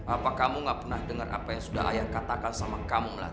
apa kamu gak pernah dengar apa yang sudah ayah katakan sama kamu